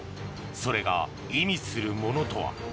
それが意味するものとは。